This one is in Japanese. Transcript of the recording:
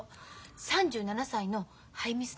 ３７歳のハイミスだって。